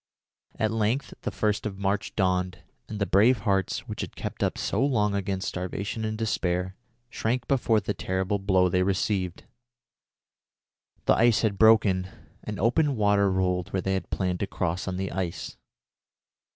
At length the first of March dawned, and the brave hearts, which had kept up so long against starvation and despair, shrank before the terrible blow they received. The ice had broken, and open water rolled where they had planned to cross on the ice.